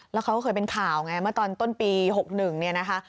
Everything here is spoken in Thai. แล้วเขาก็เคยเป็นข่าวไงเมื่อตอนต้นปี๖๑เนี่ยนะคะ